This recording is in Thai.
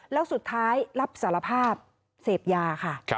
แล้วสุดท้ายรับสารภาพเสพยาค่ะ